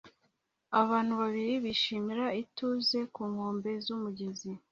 Abantu babiri bishimira ituze ku nkombe z'umugezi